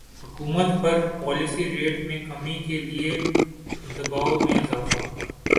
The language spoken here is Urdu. حکومت پر پالیسی ریٹ میں کمی کے لیے دبائو میں اضافہ